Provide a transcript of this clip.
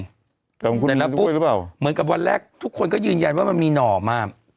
ในละปุ๊บเหมือนกับวันแรกทุกคนก็ยืนยันว่ามันมีหน่อมา